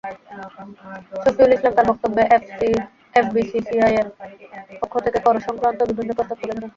শফিউল ইসলাম তাঁর বক্তব্যে এফবিসিসিআইয়ের পক্ষ থেকে করসংক্রান্ত বিভিন্ন প্রস্তাব তুলে ধরেন।